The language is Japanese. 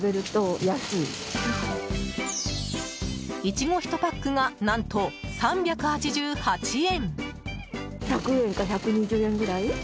イチゴ１パックが何と３８８円。